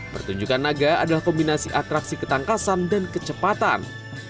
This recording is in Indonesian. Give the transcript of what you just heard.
pertunjukan naga adalah kombinasi atraksi ketangkasan dan kecepatan